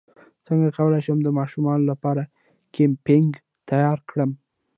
څنګه کولی شم د ماشومانو لپاره د کیمپینګ تیاری وکړم